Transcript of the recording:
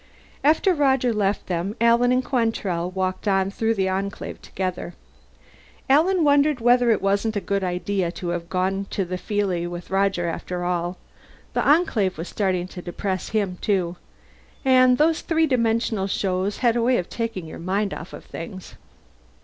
After Roger left them, Alan and Quantrell walked on through the Enclave together. Alan wondered whether it wasn't a good idea to have gone to the feelie with Roger after all; the Enclave was starting to depress him, too, and those three dimensional shows had a way of taking your mind off things.